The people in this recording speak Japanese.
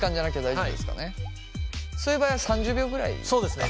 そういう場合は３０秒ぐらいですか？